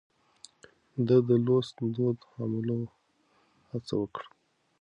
ده د لوست دود عامولو هڅه وکړه.